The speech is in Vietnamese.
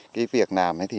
cái việc làm này thì